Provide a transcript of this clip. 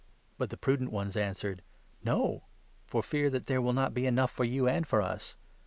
But the prudent ones answered 'No, for 9 fear that there will not be enough for you and for us.